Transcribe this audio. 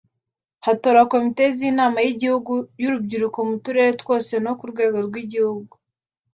hatora Komite z’Inama y’igihugu y’Urubyiruko mu turere twose no ku rwego rw’igihugu